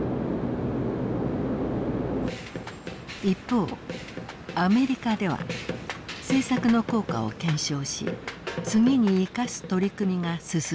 一方アメリカでは政策の効果を検証し次に生かす取り組みが進んでいます。